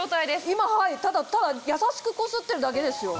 今ただやさしくこすってるだけですよ。